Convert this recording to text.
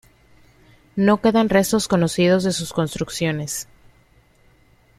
No quedan restos conocidos de sus construcciones.